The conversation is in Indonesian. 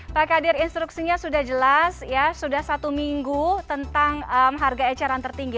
pak kadir instruksinya sudah jelas ya sudah satu minggu tentang harga eceran tertinggi